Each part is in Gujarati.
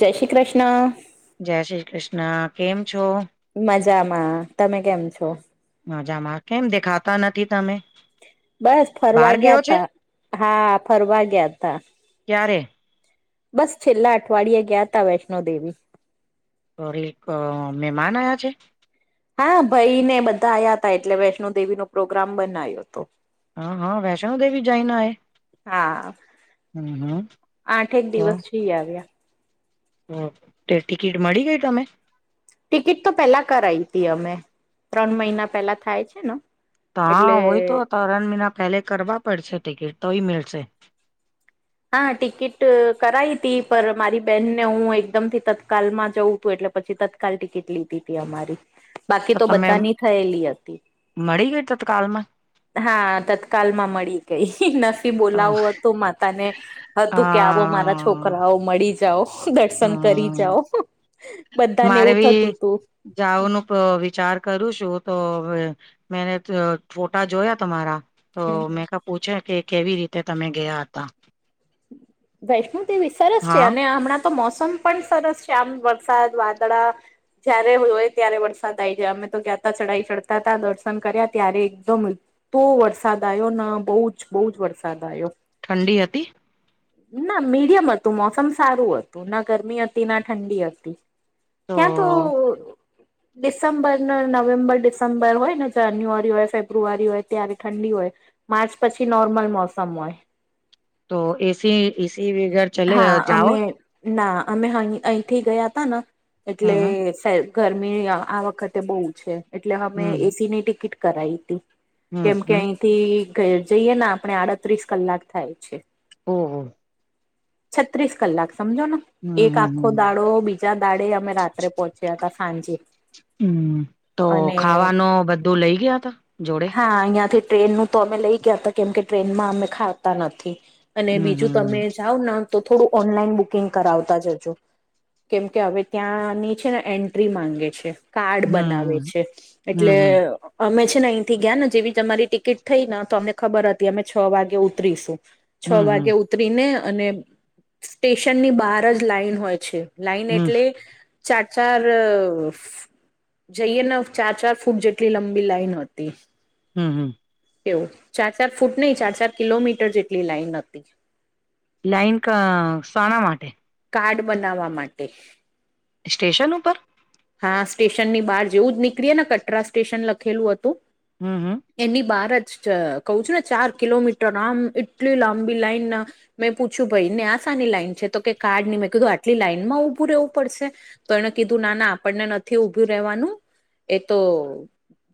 જય શ્રી કૃષ્ણ! જય શ્રી કૃષ્ણ કેમ છો? મજામાં તમે કેમ છો? મજામાં કેમ દેખાતા નથી તમે? બસ બહાર ફરવા ગયો ગયા છે તા હા ફરવા ગયા તા ક્યારે? બસ છેલ્લા અઠવાડિયે ગયા ત વૈષ્ણો દેવી. સોરી એક મહેમાન આયા છે.? હા ભાઈ ને બધા આવયા હતાા એટલે વૈષ્ણોદેવી નો પ્રોગ્રામ બનાવ્યો હતો. હા-હા વૈષ્ણો દવી જઈના આયા? હા હમ-હમ આઠેક તો? દિવસ જઈ આવ્યા ઓ તે ટિકિટ મળી ગઈ તમે.? ટિકિટ તો પેલા કરાઈ હતી. અમે ત્રણ મહિના પેલા થાય છે, ને તો એટલે હોય તો ત્રણ મહિના પહેલે કરવા પડશે ટિકિટ તોય મળલશે. હા ટિકિટ કરાઈ હતી પર મારી બેહેનને હું એકદમ થી તત્કાલમાં જઉ તું એટલે પછી કાલ ટિકિટ લીધી હતી અમારી. બાકી તો બધાની થયેલી હતી. મળી ગઈ તત્કાલમાં હા તત્કાલ માં મળી ગઈ નસી તો બોલાવું હતું માતા ને. અ હતું કે આવો મારા છોકરાઓ મળી જાઓ દર્શન કરી હમ જાઓ. બધાને મારે એવું ભી થતું તું હમ જાઓનું વિચાર કરું છું, તો મે ફોટા જોયા તમારા તો હમ હમ મેકઅપ પૂછે કે કેવી રીતે તમે ગયા હતા? વૈષ્ણુ તેવી સરસ છે, હા અને હમણાં તો મોસમ પણ સરસ છે, આમ વરસાદ વાદળા જયારે હોય ત્યારે વરસાદ આઈ જાય અમે તો ગ્યાંતા ચઢાઈ ચડતા ત દર્શન કર્યા ત્યારે એકદમ તો વરસાદ આવ્યો બહુ જ બહુ જ વરસાદ આવ્યો. ઠંડી હતી? ના મીડિયમ હતું મોસમ સારું હતું ના ગરમી હતી ના ઠંડી હતી. ત્યાં તો ડિસેમ્બર નવેમ્બર ડિસેમ્બર હોય ને જાન્યુઆરી હોય ફેબ્રુઆરી હોય ત્યારે ઠંડી હોય. માર્ચ પછી નોર્મલ મોસમ હોય. તો એસી- એસી વિગર હા અમે ના અમે અહીંથી ગયા હતા ને હમ એટલેે ગરમી આ વખતે બહુ છે, એટલે અમે હમ એસી ની ટિકિટ કરી હતી. હમ કેમ કે હમ અહીંથી જઈએ આપણે આડત્રીસ કલાક થાય છે. ઓ-હો. છત્રીસ કલાક સમજો ન હમ એક હમ આખો હમ દાડો બીજ જ્યા દાડે અમે રાત્રે પહોંચ્યા હતા સાંજે. હમ તો અને ખાવાનું બધું લઈ ગયા ત જોડે.? ત આથી ટ્રેનનું. તો અમે લઈ ગયા હતા કેમ કે ટ્રેનમાં અમે ખાતા નથી અને હમ બીજું તમે હમ આવ તો થોડું ઓનલાઈન બુકિંગ કરાવતા જજો. કેમ કે હવે ત્યાંની છે ને એન્ટ્રી માંગે છે. કાર્ડ બનાવે હમ છે હમ એટલે હમ અમે છે ને અહીંથી ગયા ને જેવી તમારી ટિકિટ થઈ ન તો અમને ખબર હતી અમે છ વાગે ઉતરીશું. હમ છ વાગે હમ ઉતરીને અને સ્ટેશનની બહાર જ લાાઈન હોય છે. લાઈન હમ એટલે ચાર ચાર જઈએ ન ચાર ચાર ફૂટ જેટલી લંબી લાઈન હતી. હમ હમ. એવું ચાર ચાર ફૂટ નહી ચાર ચાર કિલોમીટર જેટલી લાઈન હતી. લાાઈન ક સાંના માટે. કાર્ડ બનાવવા માટે. સ્ટેશન ઉપર. હા સ્ટેશન ની બહાર જેવું જ નીકળીએ ને કટરા સ્ટેશન લખેલું હતું. હમ હમ. એની બહાર જ કહું છું ને ચાર કિલોમીટર આમ એટલી લાંબી લાઈન. મેં પૂછ્યું ભઈ ને આ સાની લાઈન છે તો કે કાર્ડ ની મેં કીધું આટલી લાઈનમાં ઊભું રહેવું પડશે. તો એણે કીધું ના ના આપણને નથી ઊભું રહેવાનું એ તો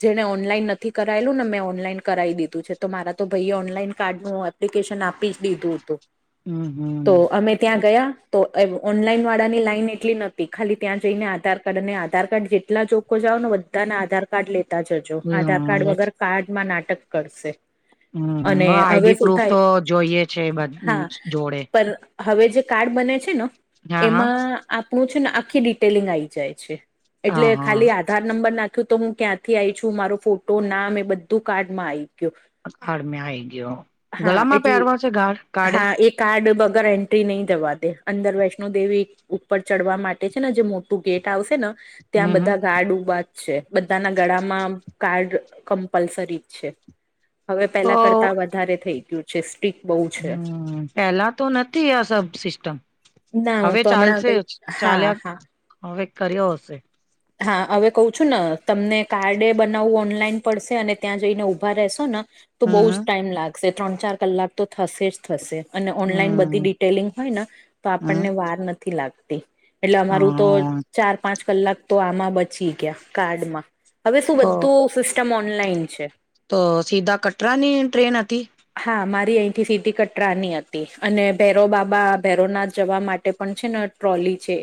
જેને ઓનલાઈન નથી કરાયેલું ને મેં ઓનલાઈન કરાવી દીધું છે તો મારા તો ભઈએ ઓનલાઈન કાર્ડનું હત પ્લિકેશન આપી જ દીધું હતું. હમ હમ. તો અમે ત્યાં ગયા તો એવ ઓનલાઈન વાળાની લાઈન એટલી નતી ખાલી ત્યાં જઈને આધાર કાર્ડ અને આધાર કાર્ડ જેટલા ચોખો જાવન વચ તાના આધાર કાર્ડ લેતા જજો આધાર હમ કાર્ડ વગર કાર્ડ માં નાટક કરશે. હમ મ અને હવે આઈડી શું પ્રૂફ તો થાય જોઈએ છે હા બધુજ જોડે. પણ હવે જે કાર્ડ બને છે ને હા હા એમાં આપણું છે ને આખી ડિટેલિંગ આઈ જાય છે. એટલે હા ખાલી હા આ ધાર નંબર નાખ્યું તો હું ક્યાંથી આઈ છું મારો ફોટો નામ એ બધું કાર્ડમાં આયી કાડ મે આઈ ગ્યો હા ગળામાં એટલે પહેરવા છે ગાઢ કાઢે. હા એ કાર્ડ વગર એન્ટ્રી નહીં જવા દે. અંદર વૈષ્ણો દેવી ઉપર ચડવા માટે છે ને જે મોટું ગેટ આવશે ન ત્યાં હમ હમ બધા ગાડ ઉભા છે બધાના ગળામાં કાર્ડ કમ્પલસરી જ છે. હવે તો પેલા કરતા વધારે થઈ ગયું છે સ્ટિક બઉ. હમ પેલા તો નથી આ સબ સિસ્ટમ. ના હું હવે તો હમણાં ચાલશે કઈ હા હા ચાલ્યા હવે કર્યો હશે. હા હવે કહું છું ન તમને કાર્ડે બનાવવું ઓનલાઈન પડશે અને ત્યાં જઈને ઊભા રહેશો ન તો બહુ જ હમ ટાઈમ લાગશે ત્રણ ચાર કલાક તો થશે જ થશે. અને ઓનલાઈન બધી હમ હમ ડિટેલિંગ હોય ન તો હમ આપણને વાર નથી લાગતી. એટલે અમારું તો હ ચાર પાંચ કલાક તો આમાં બચી ગયા કાર્ડમાં. હવે શું તો બધું સિસ્ટમ ઓનલાઈન છે. તો સીધા કટરાની ટ્રેન હતી. હા મારી અહીંથી સીધી કટરાની હતી અને ભૈરોવ બાબા ભૈરોનાથ જવા માટે પણ છે ન ટ્રોલી છે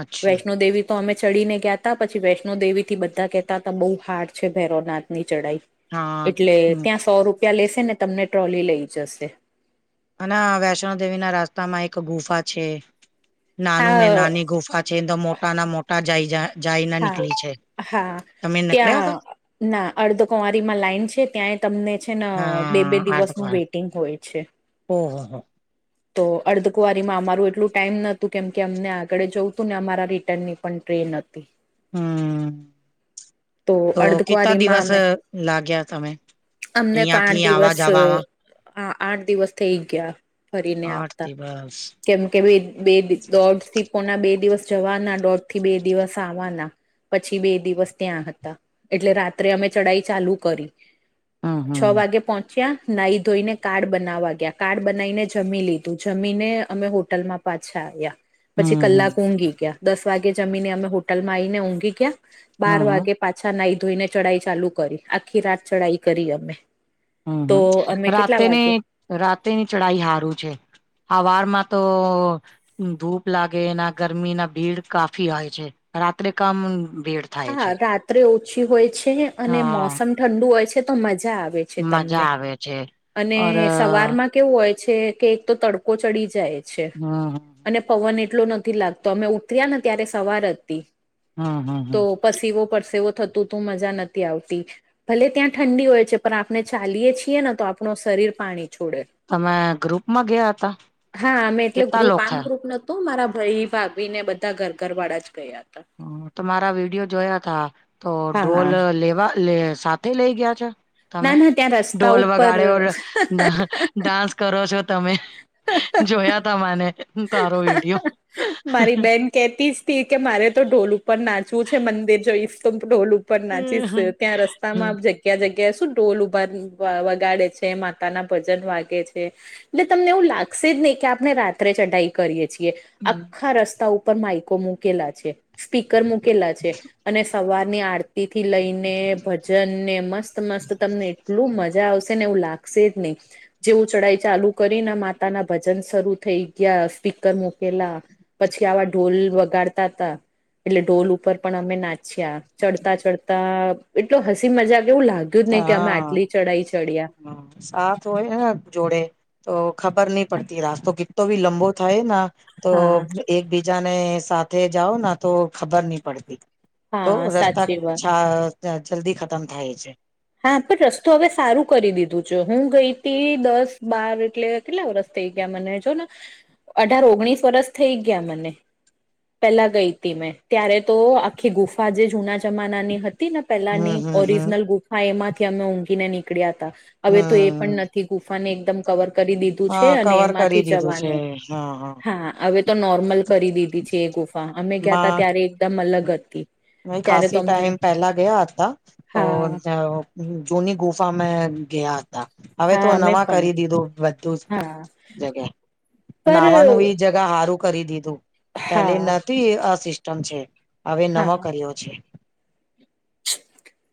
અચ્છા વૈષ્ણો દેવી તો અમે ચડીને ગયાતા પછી વૈષ્ણો દેવી થી બધા કહેતા હતા બહુ હાર્ડ છે ભૈરોવનાથ ની ચઢાઈ. હા એટલે ત્યાં સો રૂપિયા લેશે ને તમને ટ્રોલી લઈ જશે. અને વૈષ્ણો દેવી ના રસ્તા માં એક ગુફા છે નાનું મેં હા નાની ગુફા. છે તો મોટા ના મોટા જાય જાય ના હા નીકળી છે હા તમે નનીકળ્યા હતા. ત્યાં ના અર્ધકુંવારી માં લાઈન છે ત્યાંય તમને જ છેન બે બે હા આર્થક દિવસનું વાળા વેઈટિંગ હોય છે. ઓહ હા હા. તો અર્ધકુવારીમાં અમારું એટલું ટાઈમ નતું કેમ કે અમને આગળ જવું તું ને અમારા રિટર્નની પણ ટ્રેન નતી. હમ. તો કેટલા અર્ધકુંવારીમાં દિવસ અમે લાગ્યા તમે અહયાંથી આવા જવામાં. હા આઠ દિવસ થઇ ગયા. ફરીને આઠ આવતા દિવસ કેમ કે બે દોઢથી કોના બે દિવસ જવાના દોઢ થી બે દિવસ આવવાના પછી બે દિવસ ત્યાં હતા એટલે રાત્રે અમે ચઢાઈ ચાલુ કરી હમ છ હમ વાગે પહો ચ્યા નાહી ધોઈને કાર્ડ બનાવા ગયા કાર્ડ બનાવીને જમી લીધું, જમીને અમે હોટલમાં પાછા આવ્યા. પછી હમ હમ કલાક ઊંઘી ગયા દસ વાગે જમીને અમે હોટલમાં આવીને ઊંઘી ગયા હમ બાર હમ વાગે. પાછા નાહી ધોઈને ચઢાઈ ચાલુ કરી આખી રાત ચઢાઈ કરી અમે હમ તો હમ અમે કેટલા વાગે રાતેની રાતેની ચઢાઈ હારું છે. આવાર માં તો. ધૂપ લાગે એના ગરમી ના ભીડ કાફી હોય છે રાત્રે કામ ભીડ થાય હા છે રાત્રે ઓછી હોય છે અને હા મોસમ ઠંડુ હોય છે તો મજા આવે મજા તમને આવે છે અને ઓર સવારમાં કેવું હોય છે કે એક તો તડકો ચડી જાય. છે હા હા. અને પવન એટલો નથી લાગતો અમે ઉતર્યા ને ત્યારે સવાર હતી. હા હા. તો પસીવો પડસેવો થતું તું મજા નથી આવતી. ભલે ત્યાં ઠંડી હોય છે પણ આપણે ચાલીએ છીએ ને તો આપણું શરીર પાણી છોડે. તમે ગ્રુપમાં ગયા હતા હા અમે એટલે કેટલા ગ્રુપ લોકો આમ થયા ગ્રુપ ન તો મારા ભાઈ ભાભી ને બધા ઘર ઘર વાળા જ ગયા હતા. હ તમારા વિડીયો જોયા તા તો હા ઢોલ લેવા સાથ થી લઈ ગયા છો ના તમે ના ત્યાં રસ્તા ઢોલ ઉપર વગાડ્યો ડાન્સ કરો છો તમે જોયા તા મને તારો વિડીયો. મારી બેન કેતી જ કે મારે તો ઢોલ ઉપર નાચવું છે મંદિર જોઈ ઈફ તો ઢોલ ઉપર પણ નાચીસ હમ ત્યાં રસ્તામાં આપ જ્યા. ક્યાં જગ્યાએ શું ઢોલ ઉભા વગાડે છે માતા ના ભજન વાગે છે. એટલે તમને એવું લાગશે જ નહી કે આપણે રાત્રે ચઢાઈ કરીએ છીએ. હમ આખા રસ્તા ઉપર માઈકો મુૂકેલા છે, સ્પીકર મૂકેલા છે. અને સવાર ની આરતી થી લઈને ભ જન ને મસ્ત મસ્ત તમને એટલું મજા આવશે ને એવું લાગશે જ નહી. જેવું ચઢાઈ ચાલુ કરીને માતા ના ભજન શરૂુ થઈ ગયા સ્પીકર મુકી લા પછી આવા ઢોલ વગાડતા હતા. એટલે ઢોલ ઉપર પણ અમે નાચ્યા ચડતા ચડતા એટલો હસી મજા કેવું લાગ્યું. તું જ નહી કે અમે હા આટલી ચઢાઈ ચડ્યા. હા સાથ હોય ને જોડે તો ખબર નહી પડતી રાસ્તો કિતો ભી લંબો થાય ન તો હા એકબીજાને સાથે જાઓ તો ખબર નહી પડતી. તો હા રસ્તા સાચી વાત જલ્દી ખતમ થાય છે. હા પણ રસ્તો હવે સારું કરી દીધું છે હું ગઈ હતી દસ બાર એટલે કેટલા વરસ થઈ ગયા મને જો ને અઢાર ઓગણીસ વરષ થઈ ગયા મને. પેલા ગઈ હતી મેં ત્યારે તો આખી ગુફા જે જૂના જમાના ની હતી. હતી ને હમ પેલાની હમ હમ ઓરિજનલ ગુફા એમાંથી અમે ઊંઘીને નીકળ્યા હતા હવે તો એ પણ હમ નથી. થી ગુફાને એકદમ કવર કરી દીધું હા છે અને કવર કરી એમાંથી દીધું છે જવાનું હા હા હવે તો નોર્મલ કરી દીધી છે એ ગુફા અમે ગયા ત ત્યારે એકદમ અલગ હતી. ત્યારે ખાાસસી તમને ટાઈમ પેલા ગયા હતા હા તો જૂની ગુફામાં ગયા હતા હવે હા તો અમે નવા પણ કરી દીધું બધું હા જ જગ્યા પર નાવાનું એ જગ ગા સારું કરી દીધું પેલે હા નથી એ આ સિસ્ટમ છે હવે નવો હા કર્યો છે.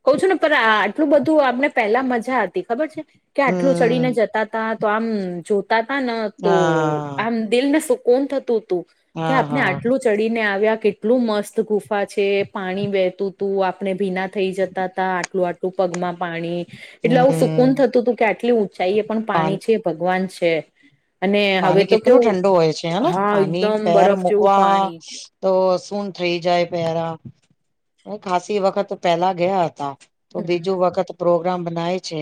કહ છું ને પણ આટલું બધું આપમને પહેલા મજા હતી ખબર છે કે આટલું હમ ચડીને જતા તા. તો આમ જોતા તા ને તો હા આમ દિલને સુકોન થતું હતું. કે હા આપને હા આટલું ચડી. ડીને આવ્યા કેટલું મસ્ત ગુફા છે, પાણી વહેતું તું આપણે ભીના થઈ જત તા તા આટલું આટલું પગમાં પાણી. એટલે આવું સુકૂન હમ થતું હતું કે, આટલી ઊંચાઈ એ પણ પા પાણી છે ભગવાન છે. અને હવે પાણી તો કેટલ કેવું ઠંડુ હોય છે હેના હા પાણી એકદમ પેર બરફ જેવું મૂકવા પાણી તો શું થઇ જાય પહેરા હ ખાસસી વખત પેલા ગયા હતા. તો બીજું વખત પ્રોગ્રામ બનાય છે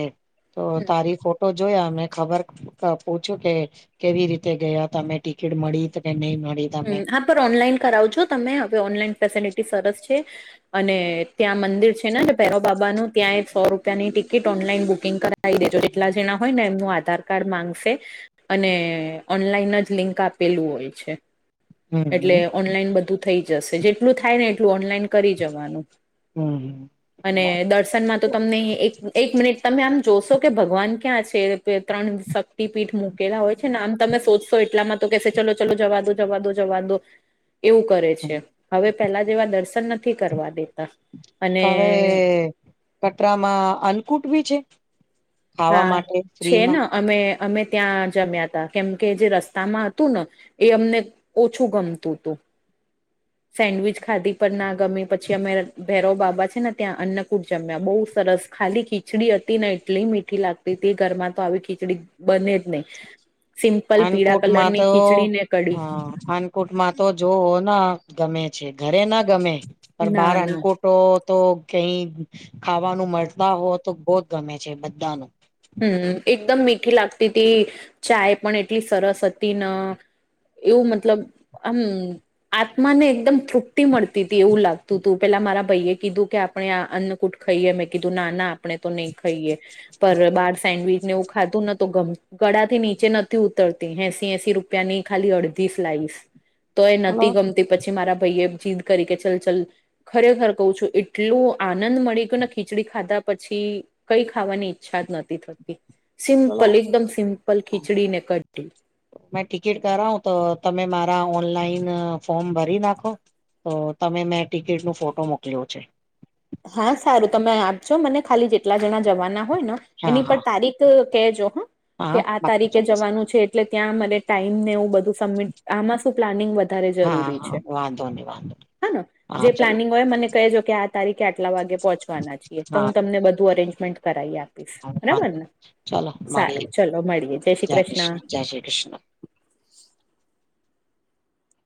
તો તારી ફોટો જોયા મેં ખબર પૂછ્યું કે? કેવી રીતે ગયા તમે ટિકિટ મળી તો કે નહી મળી? હ તમે હા પર ઓનલાઈન કરાવજો તમે હવે ઓનલાઈન ફેસિલિટી સરસ છે. અને ત્યાં મંદિર છે નેને ભેરો બાબા નું ત્યાં એક સો રૂપિયાની ટિકિટ ઓનલાઈન બુકિંગ કરા દેજો જેટલા જેણા હોય ને એમનું આધાર કાર્ડ માંગશે. અને ઓનલાઈન જ લિંક આપેલું હોય છે. શ હમ એટલે હમ ઓનલાઈન બધું થઈ જશે જેટલું થાય ને એટલું ઓનલાઈન કરી જવાનું. અને હમ દસ દર્શનમાં તો તમને એક એક મિનિટ તમે આમ જોશો કે ભગવાન ક્યાં છે ત્રણ પીઠ મૂકેલા હોય છે ને આમ તમે સોધશો એટલામાં તો કે ચલો ચલો જવા દો જવા દો જવા દો. એવું કરે છે હવે પેલા જેવા દર્શન નથી કરવા દેતા અને હવે કટરામાં અન્કુટ બી છે ખાવા હા માટે છે ફ્રીમાં. ને અમે અમે ત્યાં જમ્યા હતા કેમકે જે રસ્તામાં હતું ને એ અમને ઓછું ગમતું હતું. સેન્ડવીચ ખાધી પર ના ગમી પછી અમે ભૈરવ બાબા છે ને ત્યાં અન્નકૂટ જમ્યા બહુ સરસ. ખાલી ખીચડી હતી ને એટલી મીઠી લાગતી હતી ઘરમાં તો આવી ખીચડી બને જ નહી. સિમ્પલ પીળા કલરની ખીચડી ને કડી. પાનકોુટમાં તો જોઓ ના ગમે છે ઘરે ના ગમે પણ ના બાર ના અનકોટ તો કઈ ખાવાનું મળતા હો તો બહુ જ ગમે છે બધા ને. હમ એકદમ મીઠી લાગતી હતી ચાય પણ એટલી સરસ હતી ને. એવું મતલબ આમ આત્માને એકદમ તૃપ્તિ મળતી હતી એવું લાગતું હતું પેલા મારા ભાઈએ કીધું કે આપણે અન્ન કુટ ખાઈએ મેં કીધું ના ના આપણે તો નહી ખાઈએ પર બહાર સેન્ડવીચને એવું ખાધું નતો ગળા નીચે નથી ઉતરતી હેસી હસી રૂ રૂિયાની ખાલી અડધી સ્લાઇસ તો એ હલો નથી ગમતી. તે પછી મારા ભાઈ એ જીદ કરી કે ચલ ચલ ખરેખર કહઉ છું એટલું આનંદ મળી ગયો ને ખીચડી ખાધા પછી. કઈ ખાવાની ઈચ્છા જ નથી થતી. ચલો સિમ્પલ એકદમ સિમ્પલ ખીચડી ને કઢી. મેં ટિકિટ કરાવું તો તમે મારા ઓનલાઈન ફોર્મ ભરી નાખો? તો તમે મેં ટિકિટ ન ફોટો મોકલ્યો છે. હા સારું તમે આપજો મને ખાલી જેટલા જણા જવાના હોય ને હા એની પર હા તારીખ કહેજો હા કે આ પાક્કું તારીખે ચોક્કસ જવાનું છે? એટલે ત્યાં મરે ટાઈમનેવું બધું સબમિટ આમાં શું પ્લાનિંગ બ હા જરૂરી હા છે વાંધો નહી વાંધો હા જે ચલો પ્લાનિંગ હોય મને કહેજો કે આ તારીખે આટલા વાગે પહોંચવાના છીએ, તો હા હું તમને બધું અરેન્જમેન્ટ કરાવી આપ પીસ બરાબર ને, ચાલો મળીએ સારું ચલો મળીએ જય શ્રી કૃષ્ણ. જય શ્રી કૃષ્ણ